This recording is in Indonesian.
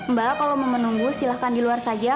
mbak kalau mau menunggu silahkan di luar saja